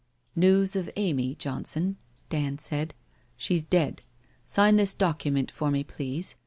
' News of Amy, Johnson/ Dand said. ' She's dead. Sign this document for me, please.